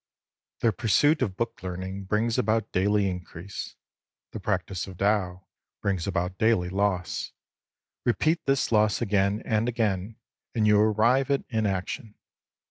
The pursuit of book learning brings about daily increase. The practice of Tao brings about daily loss. Repeat this loss again and again, and you arrive at inaction.